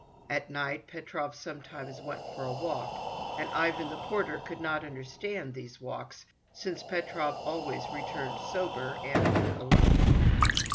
At night Petrov sometimes went for a walk, and Ivan the porter could not understand these walks, since Petrov always returned sober, and—alone.